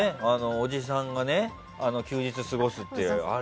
おじさんが休日過ごすっていう。